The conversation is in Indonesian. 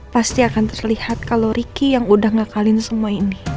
pasti akan terlihat kalau ricky yang udah ngakalin semua ini